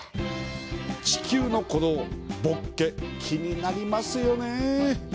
地球の鼓動「ボッケ」気になりますよね。